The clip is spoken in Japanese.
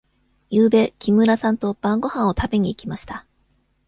ゆうべ木村さんと晩ごはんを食べに行きました。